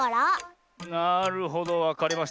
なるほどわかりました。